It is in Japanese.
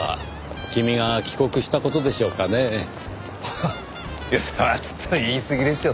ハハいやそれはちょっと言いすぎでしょう。